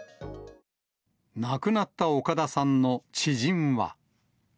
亡くなった岡田さんの知人は。